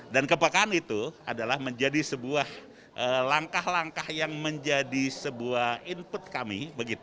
dan kepekaan itu adalah menjadi sebuah langkah langkah yang menjadi sebuah input kami